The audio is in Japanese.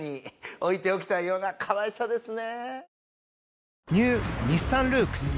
置いておきたいようなかわいさですね。